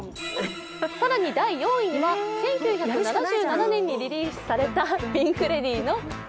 更に第４位には、１９７７年にリリースされたピンク・レディーの「ＵＦＯ」